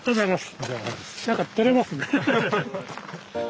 何かてれますね。